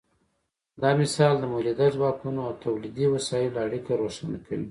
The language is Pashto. دا مثال د مؤلده ځواکونو او تولیدي وسایلو اړیکه روښانه کوي.